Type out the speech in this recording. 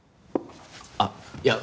あっいや。